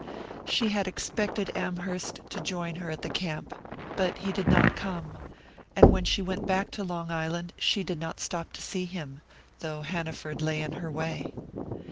She had expected Amherst to join her at the camp, but he did not come; and when she went back to Long Island she did not stop to see him, though Hanaford lay in her way.